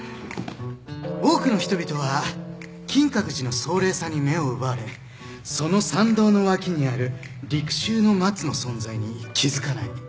多くの人々は金閣寺の壮麗さに目を奪われその参道の脇にある陸舟の松の存在に気付かない。